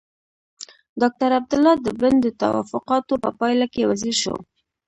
ډاکټر عبدالله د بن د توافقاتو په پايله کې وزیر شو.